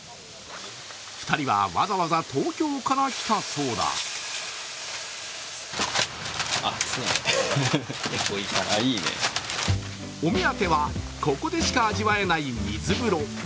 ２人はわざわざ東京から来たそうだお目当ては、ここでしか味わえない水風呂。